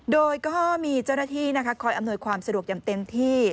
โดยก็มีเจ้าหน้าที่นะคะคอยอำนวยความสะดวกอย่างเต็มที่